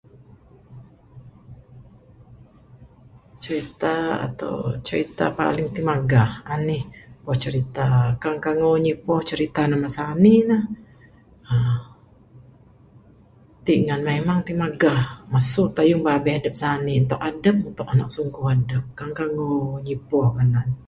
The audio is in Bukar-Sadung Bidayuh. Crita ato crita paling timagah, anih boh crita. Kang kang ngu ngipoh crita ne sanik ne. uhh Tik nan memang timagah masu tayung babeh adup sani' ne tok adup tok anak sungkuh adup. Kang kang ngu ngipoh ganan ne.